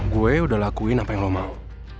gue udah lakuin apa yang lo mau